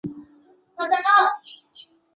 贝勒维涅。